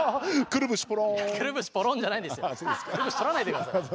くるぶし取らないでください。